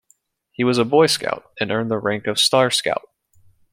He was a Boy Scout and earned the rank of Star Scout.